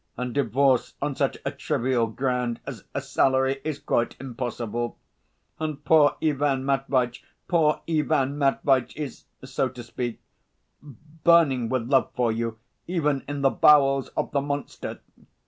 And divorce on such a trivial ground as a salary is quite impossible. And poor Ivan Matveitch, poor Ivan Matveitch is, so to speak, burning with love for you even in the bowels of the monster.